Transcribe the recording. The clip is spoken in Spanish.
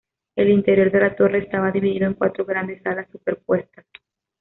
El interior de la torre estaba dividido en cuatro grandes salas superpuestas.